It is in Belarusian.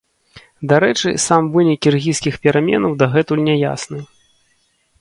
Дарэчы, сам вынік кіргізскіх пераменаў дагэтуль не ясны.